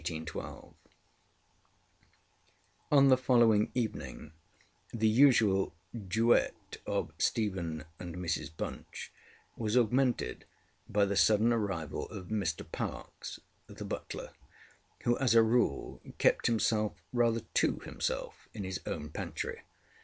On the following evening the usual duet of Stephen and Mrs Bunch was augmented by the sudden arrival of Mr Parkes, the butler, who as a rule kept himself rather to himself in his own pantry.